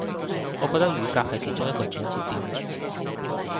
我覺得雨革係其中一個轉捩點